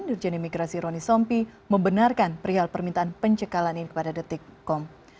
dijenimigrasi roni sompi membenarkan perihal permintaan pencegahan ini kepada detik com